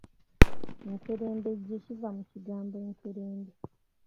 Enkerembejje kiva mu kigambo Enkerembe.